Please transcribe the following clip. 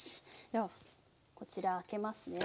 ではこちら開けますね。